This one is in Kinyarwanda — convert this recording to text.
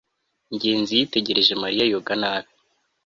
ngenzi yitegereje mariya yoga nabi